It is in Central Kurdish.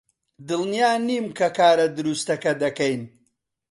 دڵنیا نیم کە کارە دروستەکە دەکەین.